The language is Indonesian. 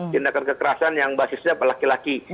tindakan kekerasan yang basisnya laki laki